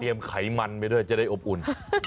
ไขมันไปด้วยจะได้อบอุ่น